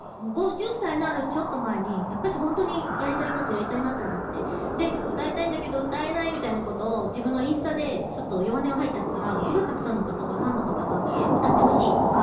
５０歳になるちょっと前にやっぱし本当にやりたいことやりたいなと思って歌いたいんだけど歌えないみたいに自分のインスタで弱音を吐いちゃったらすごいたくさんのファンの方が歌ってほしいとか。